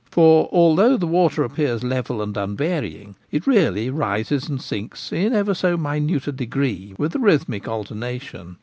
For, although the water ap pears level and unvarying, it really rises and sinks in ever so minute a degree with a rhythmic alternation.